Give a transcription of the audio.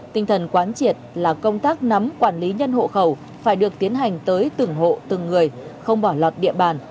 tinh thần quán triệt là công tác nắm quản lý nhân hộ khẩu phải được tiến hành tới từng hộ từng người không bỏ lọt địa bàn